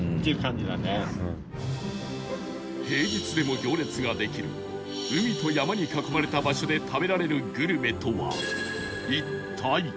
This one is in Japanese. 平日でも行列ができる海と山に囲まれた場所で食べられるグルメとは一体？